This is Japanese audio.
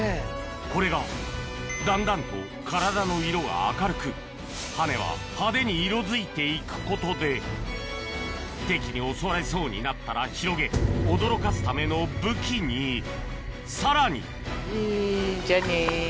これがだんだんと体の色が明るく羽は派手に色づいていくことで敵に襲われそうになったら広げ驚かすための武器にさらにじゃあね。